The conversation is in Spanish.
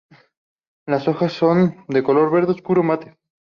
Las hojas son de color verde oscuro mate.